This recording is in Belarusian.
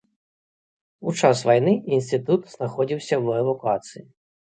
У час вайны інстытут знаходзіўся ва эвакуацыі.